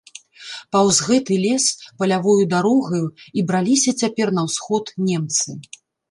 Паўз гэты лес, палявою дарогаю, і браліся цяпер на ўсход немцы.